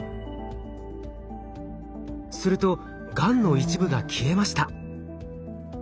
するとがんの一部が消えました。